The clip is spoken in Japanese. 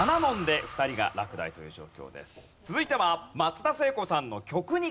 続いては。